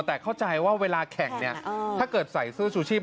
แต่เข้าใจว่าเวลาแข่งเนี่ยถ้าเกิดใส่เสื้อชูชีพ